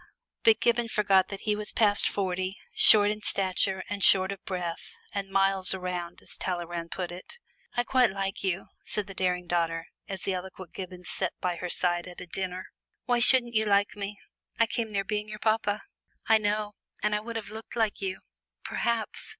But Gibbon forgot that he was past forty, short in stature, and short of breath, and "miles around," as Talleyrand put it. "I quite like you," said the daring daughter, as the eloquent Gibbon sat by her side at a dinner. "Why shouldn't you like me I came near being your papa!" "I know, and would I have looked like you?" "Perhaps."